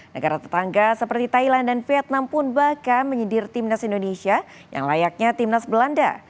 negara tetangga seperti thailand dan vietnam pun bahkan menyindir timnas indonesia yang layaknya timnas belanda